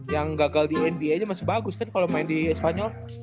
yang gagal di nba aja masih bagus kan kalo main di spanyol